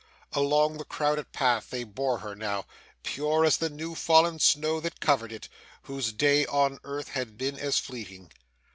Along the crowded path they bore her now; pure as the newly fallen snow that covered it; whose day on earth had been as fleeting.